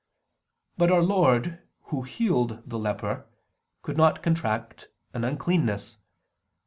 But Our Lord, Who healed the leper, could not contract an uncleanness.